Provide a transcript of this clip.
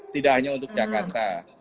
tidak hanya untuk jakarta